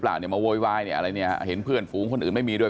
เนี่ยมาโวยวายเนี่ยอะไรเนี่ยเห็นเพื่อนฝูงคนอื่นไม่มีด้วย